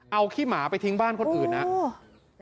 เอาขี้หมาไปทิ้งบ้านคนอื่นนะครับ